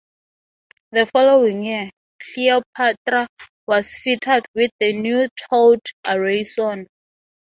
The following year, "Cleopatra" was fitted with the new towed array sonar.